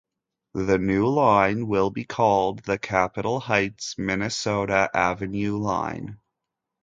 The new line will be called the Capitol Heights–Minnesota Avenue Line.